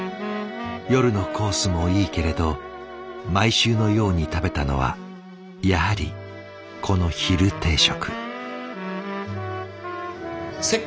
夜のコースもいいけれど毎週のように食べたのはやはりこの昼定食。